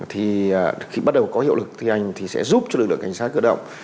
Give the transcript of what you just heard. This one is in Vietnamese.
thì khi bắt đầu có hiệu lực thi hành thì sẽ giúp cho lực lượng cảnh sát cơ động